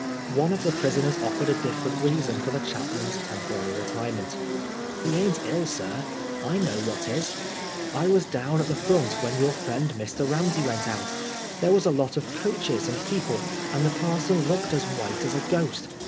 One of the prisoners offered a different reason for the chaplain's temporary retirement. " He ain't ill, sir. I knows what 'tis. I was down at the front when your friend Mr. Ramsey went out. There was a lot of coaches and people, and the parson looked as white as a ghost.